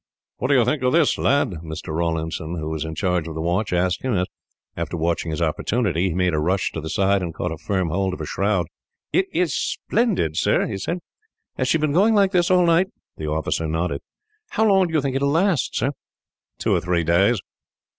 "What do you think of this, lad?" Mr. Rawlinson, who was in charge of the watch, asked him; as, after watching his opportunity, he made a rush to the side and caught a firm hold of a shroud. "It is splendid, sir," he said. "Has she been going like this all night?" The officer nodded. "How long do you think it will last, sir?" "Two or three days."